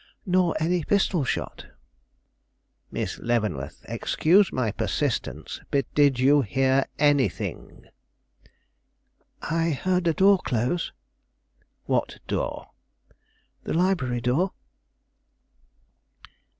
"Nor any pistol shot." "Miss Leavenworth, excuse my persistence, but did you hear anything?" "I heard a door close." "What door?" "The library door."